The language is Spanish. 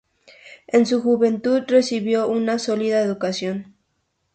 En su juventud recibió una sólida educación.